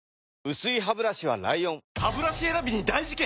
薄いハブラシは ＬＩＯＮハブラシ選びに大事件！